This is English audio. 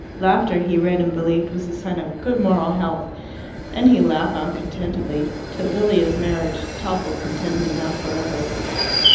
Laughter, he read and believed, was a sign of good moral health, and he laughed on contentedly, till Lilia's marriage toppled contentment down for ever.